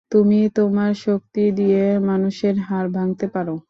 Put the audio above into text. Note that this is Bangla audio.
তুমি তোমার শক্তি দিয়ে মানুষের হাড় ভাঙতে পারো।